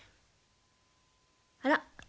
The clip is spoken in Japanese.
あら。